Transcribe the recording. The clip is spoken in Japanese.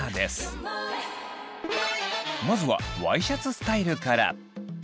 まずはワイシャツスタイルから。